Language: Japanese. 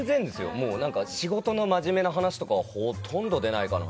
もう何か仕事の真面目な話とかはほとんど出ないかな。